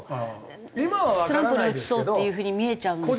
スランプに落ちそうっていう風に見えちゃうんですけど。